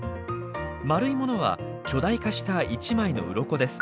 丸いものは巨大化した１枚のウロコです。